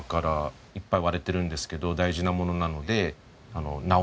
いっぱい割れてるんですけど大事なものなので直りますか？